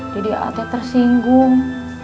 jadi a'atnya tersinggung